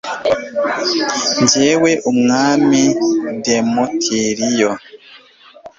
jyewe, umwami demetiriyo